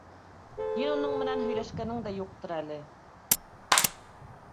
—Һин уның менән һөйләшкәнең дә юҡтыр әле!